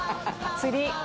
釣り。